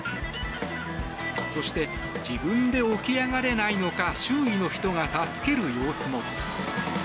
そして自分で起き上がれないのか周囲の人が助ける様子も。